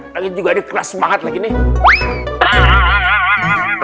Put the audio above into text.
lagi juga di kelas semangat lagi nih